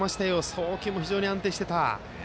送球も非常に安定してた。